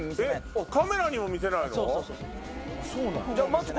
カメラにも見せないの⁉